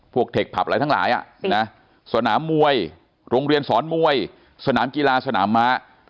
เทคผับอะไรทั้งหลายสนามมวยโรงเรียนสอนมวยสนามกีฬาสนามม้า